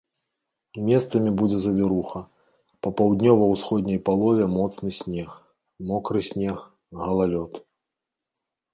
Месцамі будзе завіруха, па паўднёва-ўсходняй палове моцны снег, мокры снег, галалёд.